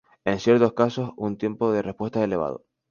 En ciertos casos, un tiempo de respuesta elevado.